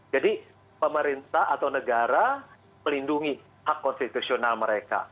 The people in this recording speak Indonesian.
jadi pemerintah atau negara melindungi hak konstitusional mereka